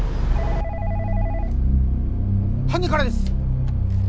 犯人からです！